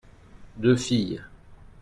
deux filles.